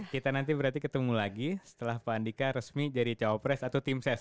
kita nanti berarti ketemu lagi setelah pak anika resmi jadi cowopress atau team ses